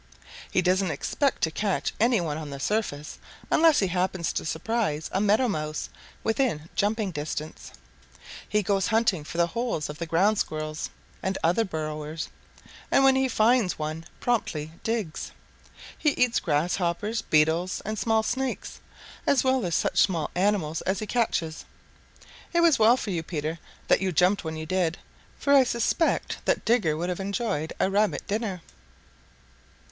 He doesn't expect to catch any one on the surface, unless he happens to surprise a Meadow Mouse within jumping distance. He goes hunting for the holes of Ground Squirrels and other burrowers, and when he finds one promptly digs. He eats Grasshoppers, Beetles and small Snakes, as well as such small animals as he catches. It was well for you, Peter, that you jumped when you did, for I suspect that Digger would have enjoyed a Rabbit dinner.